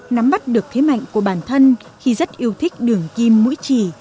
nắm bắt được thế mạnh của bản thân khi rất yêu thích đường kim mũi chỉ